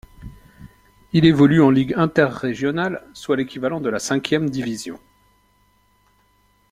Il évolue en Ligue interrégionale, soit l'équivalent de la cinquième division.